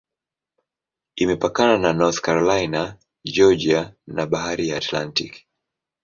Imepakana na North Carolina, Georgia na Bahari ya Atlantiki.